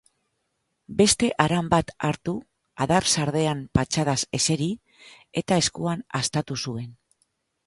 Beste aran bat hartu, adar sardean patxadaz eseri eta eskuan haztatu zuen.